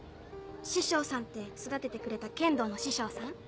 師匠さんって育ててくれた剣道の師匠さん？